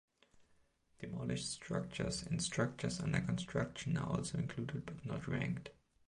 Demolished structures and structures under construction are also included but not ranked.